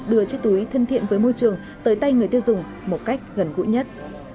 đưa chiếc túi thân thiện với môi trường tới tay người tiêu dùng một cách gần gũi nhất